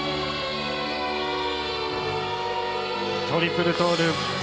トリプルトーループ。